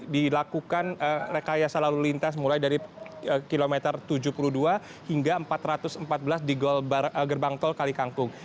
dilakukan rekayasa lalu lintas mulai dari kilometer tujuh puluh dua hingga empat ratus empat belas di gerbang tol kalikangkung